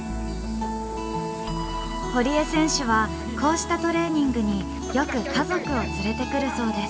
堀江選手はこうしたトレーニングによく家族を連れてくるそうです。